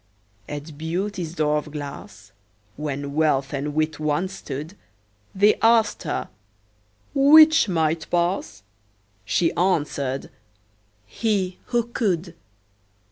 At Beauty's door of glass, When Wealth and Wit once stood, They asked her 'which might pass?" She answered, "he, who could."